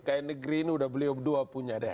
kayak negeri ini udah beliau berdua punya deh